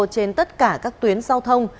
trên tất cả các tuyến giao thông